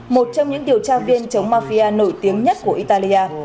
một trong những điều tra viên chống mafia nổi tiếng nhất của italia